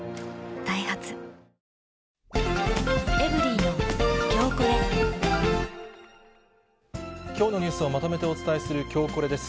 ダイハツきょうのニュースをまとめてお伝えするきょうコレです。